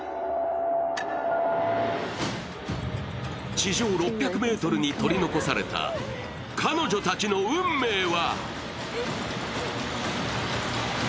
地上６００ｍに取り残された彼女たちの運命は？